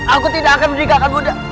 aku tidak akan menikahkan buddha